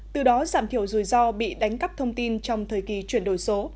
từ đó giảm thiểu rủi ro bị đánh cắp thông tin trong thời kỳ chuyển đổi số